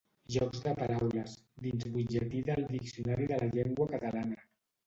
«Jocs de paraules» dins Butlletí del Diccionari de la Llengua Catalana.